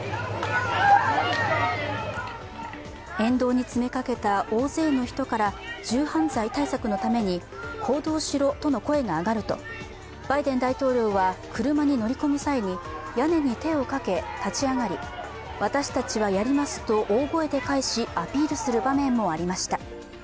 沿道に詰めかけた大勢の人から銃犯罪対策のために行動しろとの声が上がるとバイデン大統領は車に乗り込む際に、屋根に手をかけ立ち上がり、私たちはやりますと大声で返しアピールする場面もありました。